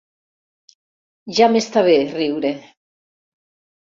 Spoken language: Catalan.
Ja m'està bé, riure.